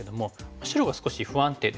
白が少し不安定ですよね。